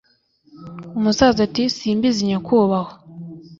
Umwana ati: "simbizi nyakubahwa